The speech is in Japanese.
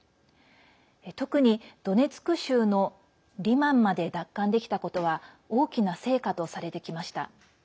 特にドネツク州のリマンまで奪還できたことは大きな成果とされてきました。